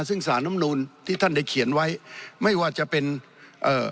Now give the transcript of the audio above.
ซึ่งสารน้ำนูนที่ท่านได้เขียนไว้ไม่ว่าจะเป็นเอ่อ